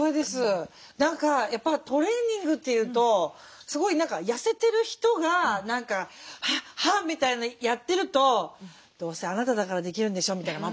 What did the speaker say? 何かやっぱトレーニングっていうとすごい何か痩せてる人が何かハアハアみたいなやってると「どうせあなただからできるんでしょ」みたいな